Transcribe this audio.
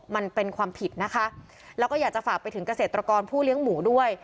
มันเป็นความผิดนะคะแล้วก็อยากจะฝากไปถึงเกษตรกรผู้เลี้ยงหมูด้วย